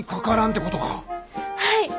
はい！